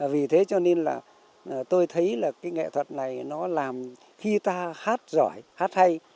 vì thế cho nên là tôi thấy là cái nghệ thuật này nó làm khi ta hát giỏi hát hay